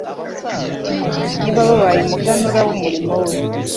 Nibo babaye umuganura w'umurimo we;